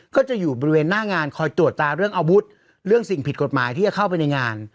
ก็จะอยู่บริเวณหน้างานคอยตรวจตาเรื่องอาวุธเรื่องสิ่งผิดกฎหมายที่จะเข้าไปในงาน